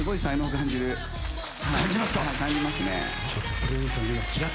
感じますね。